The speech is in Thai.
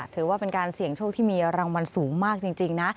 ถือว่าเป็นการเสี่ยงโชคที่มีรางวัลสูงมากจริงนะ